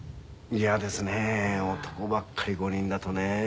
イヤですね男ばっかり５人だとね。